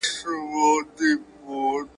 نور ګلاب ورڅخه تللي، دی یوازي غوړېدلی ,